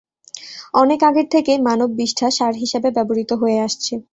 অনেক আগের থেকেই মানব বিষ্ঠা সার হিসাবে ব্যবহৃত হয়ে আসছে।